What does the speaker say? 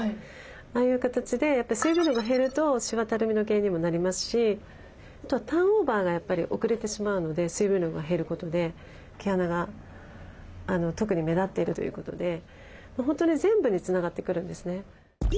ああいう形でやっぱり水分量が減るとしわたるみの原因にもなりますしあとはターンオーバーがやっぱり遅れてしまうので水分量が減ることで毛穴が特に目立っているということで本当に全部につながってくるんですね。